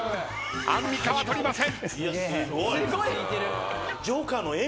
アンミカは取りません！